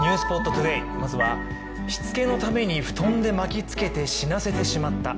しつけのために布団で巻きつけて死なせてしまった。